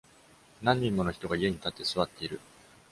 何人もの人が家に立って座っている